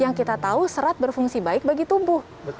yang kita tahu serat berfungsi baik bagi tubuh